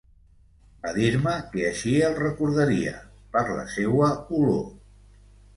Va dir-me que així el recordaria, per la seua olor.